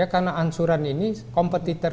karena ansuran ini kompetitor